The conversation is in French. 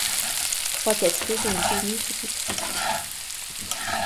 Trois catcheuses ont détenu ce titre.